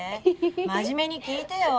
真面目に聞いてよ！